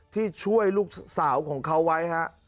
ที่ช่วยลูกสาวของเขาไว้ฮะ